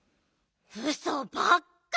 うそばっか！